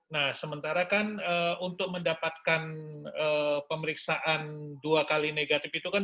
nah sementara kan untuk mendapatkan pemeriksaan dua kali negatif itu kan